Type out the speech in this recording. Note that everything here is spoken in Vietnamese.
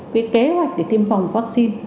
cái kế hoạch để tiêm phòng vaccine